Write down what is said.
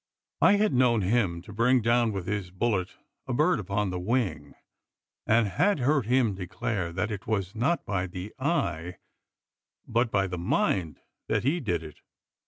I had known him to bring down with his bullet a bird upon the wing; and had heard him declare that it was not by the eye but by the mind that he did it.